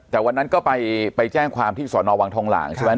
แต่วันนั้นก็ไปแจ้งความที่สอนอวังทองหลางใช่ไหม